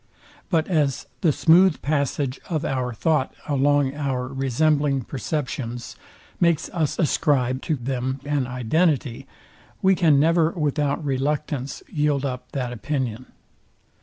But as the smooth passage of our thought along our resembling perceptions makes us ascribe to them an identity, we can never without reluctance yield up that opinion.